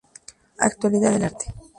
Actualidad del arte.